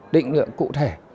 định lượng cụ thể